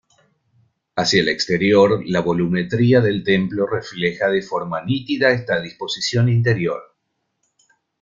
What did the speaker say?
Hacia el exterior la volumetría del templo refleja de forma nítida esta disposición interior.